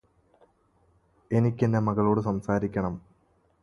എനിക്കെന്റെ മകളോട് സംസാരിക്കണം